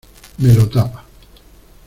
Me lo tapa.